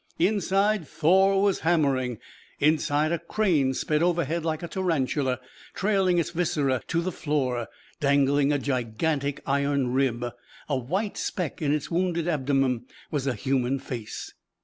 Inside, Thor was hammering. Inside, a crane sped overhead like a tarantula, trailing its viscera to the floor, dangling a gigantic iron rib. A white speck in its wounded abdomen was a human face.